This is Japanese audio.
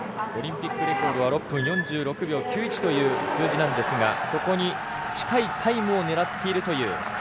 オリンピックレコードは６分４６秒９１という数字ですが数字なんですが、そこに近いタイムを狙っているという。